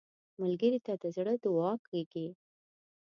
ملګری ته د زړه نه دعا کېږي